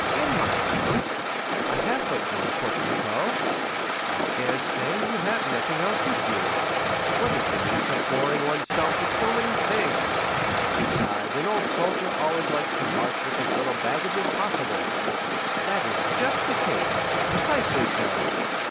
"In my trunks? I have but one portmanteau." "I dare say you have nothing else with you. What is the use of boring one's self with so many things? Besides an old soldier always likes to march with as little baggage as possible." "That is just the case—precisely so."